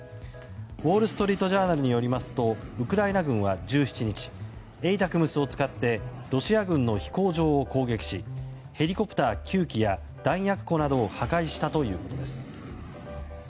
ウォール・ストリート・ジャーナルによりますとウクライナ軍は１７日ＡＴＡＣＭＳを使ってロシア軍の飛行場を攻撃しヘリコプター９機や弾薬庫などを破壊したということです。